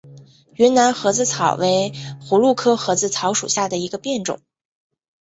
云南盒子草为葫芦科盒子草属下的一个变种。